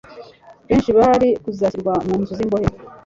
Benshi bari kuzashyirwa mu nzu z'imbohe.